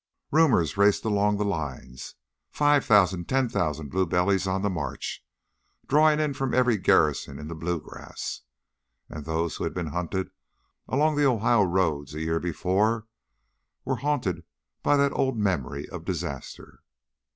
Rumors raced along the lines, five thousand, ten thousand blue bellies on the march, drawing in from every garrison in the blue grass. And those who had been hunted along the Ohio roads a year before were haunted by that old memory of disaster.